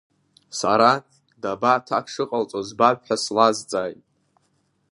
Сара даба аҭак шыҟалҵо збап ҳәа слазҵааит.